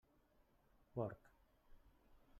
Porc!